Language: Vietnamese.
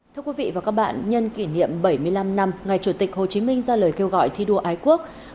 thưa quý vị và các bạn nhân kỷ niệm bảy mươi năm năm ngày chủ tịch hồ chí minh ra lời kêu gọi thi đua ái quốc